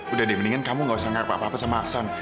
udah deh mendingan kamu gak usah ngarep apa apa sama aksen